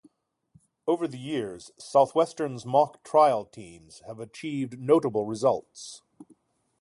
Over the years, Southwestern's mock trial teams have achieved notable results.